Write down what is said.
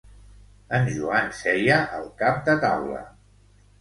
En Joan seia al cap de taula.